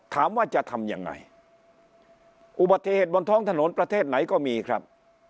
ถามว่าจะทำยังไงอุบัติเหตุบนท้องถนนประเทศไหนก็มีครับ